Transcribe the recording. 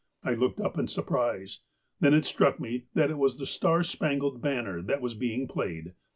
I looked up in surprise. Then it struck me that it was "The Star Spangled Banner" that was being played.